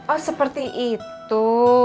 oh seperti itu